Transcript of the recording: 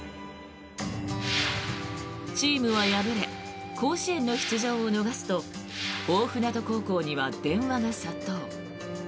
チームは破れ甲子園の出場を逃すと大船渡高校には電話が殺到。